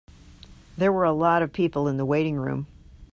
There were a lot of people in the waiting room.